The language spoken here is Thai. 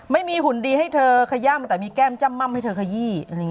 หุ่นดีให้เธอขย่ำแต่มีแก้มจ้ำม่ำให้เธอขยี้